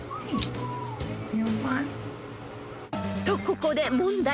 ［とここで］